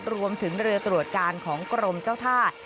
รวมถึงเรือตรวจการของกรมเจ้าท่า